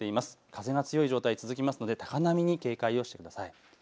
風が強い状態、続きますので高波に警戒をしてください。